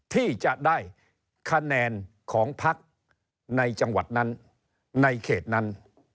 ที่จะได้คะแนนของพักในจังหวัดนั้นในเขตนั้น